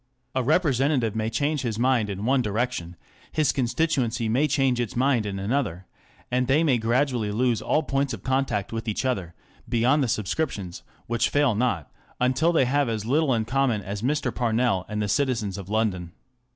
A representative may change his mind in one direction, his con stituency may change its mind in another, and they may gradually lose all points of contact with each other, beyond the subscriptions, which fail not, until they have as little in common as Mr. Parnell and the citizens of London.